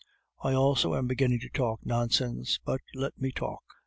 I also am beginning to talk nonsense; but let me talk."